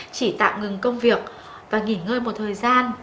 chỉ tạm ngừng công việc và nghỉ ngơi một thời gian